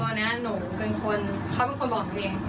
เขาเป็นคนบอกหนูเอง